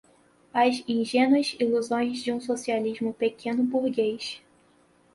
as ingênuas ilusões de um socialismo pequeno-burguês